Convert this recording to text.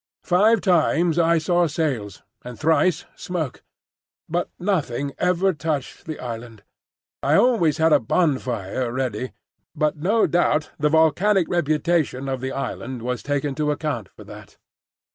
Five times I saw sails, and thrice smoke; but nothing ever touched the island. I always had a bonfire ready, but no doubt the volcanic reputation of the island was taken to account for that.